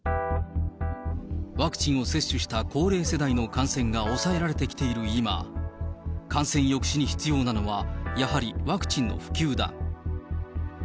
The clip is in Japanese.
ワクチンを接種した高齢世代の感染が抑えられてきている今、感染抑止に必要なのは、やはりワクチンの普及だ。